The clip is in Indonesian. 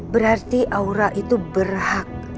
berarti aura itu berhak